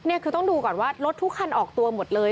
นี่คือต้องดูก่อนว่ารถทุกคันออกตัวหมดเลย